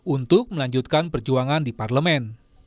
untuk melanjutkan perjuangan di parlemen